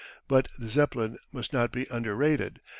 But the Zeppelin must not be under rated.